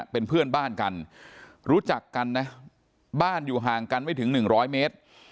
เป็นเพื่อนบ้านกันรู้จักกันนะบ้านอยู่ห่างกันไม่ถึง๑๐๐เมตร